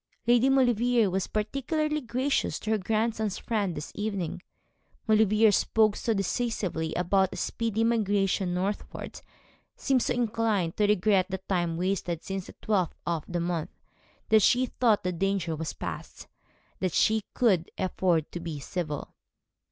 Lady Maulevrier was particularly gracious to her grandson's friend this evening. Maulevrier spoke so decisively about a speedy migration northward, seemed so inclined to regret the time wasted since the twelfth of the month, that she thought the danger was past, and she could afford to be civil.